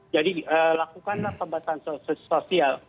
jadi lakukanlah pembahasan sosial